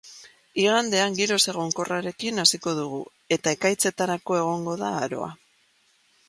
Igandea giro ezegonkorrarekin hasiko dugu, eta ekaitzetarako egongo da aroa.